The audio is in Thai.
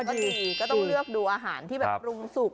ต้องเลือกดูอาหารที่ปรุงสุก